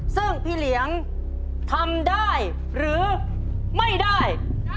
ซึ่งพี่เหลียงทำได้หรือไม่ได้